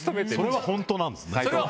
それは本当なんですね。